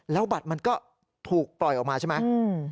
แล้วบัตรมันก็ถูกปล่อยออกมาใช่ไหม